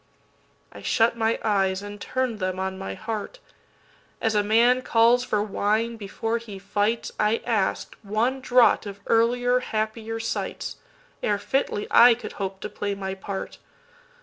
I shut my eyes and turn'd them on my heart. As a man calls for wine before he fights,I ask'd one draught of earlier, happier sights, Ere fitly I could hope to play my part.